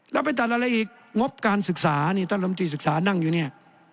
แล้วไปตัดอะไรอีกงบการศึกษานี่ท่านลำตีศึกษานั่งอยู่เนี่ย